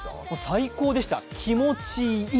最高でした、気持ちいい！